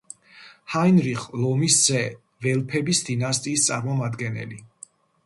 ჰაინრიხ ლომის ძე, ველფების დინასტიის წარმომადგენელი.